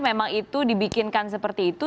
memang itu dibikinkan seperti itu